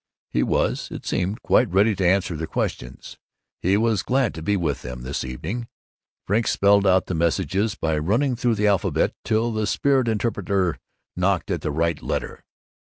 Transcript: He was, it seemed, quite ready to answer their questions. He was "glad to be with them, this evening." Frink spelled out the messages by running through the alphabet till the spirit interpreter knocked at the right letter.